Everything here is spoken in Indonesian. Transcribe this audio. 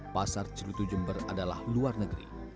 pasar cerutu jember adalah luar negeri